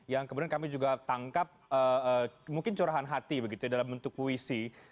yang kemudian kami juga tangkap mungkin curahan hati begitu ya dalam bentuk puisi